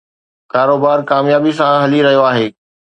ڪاروبار ڪاميابي سان هلي رهيو آهي